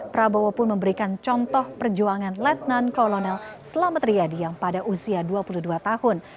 prabowo pun memberikan contoh perjuangan letnan kolonel selamat riyadi yang pada usia dua puluh dua tahun